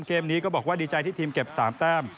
เกมนี้ก็บอกว่าดีใจที่ทีมเก็บ๓แต้ม